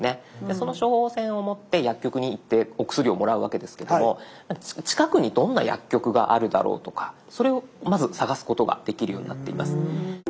その処方箋を持って薬局に行ってお薬をもらうわけですけども近くにどんな薬局があるだろうとかそれをまず探すことができるようになっています。